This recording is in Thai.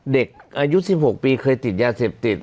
เด็กอายุ๑๖ปีเคยติดยาเสพติด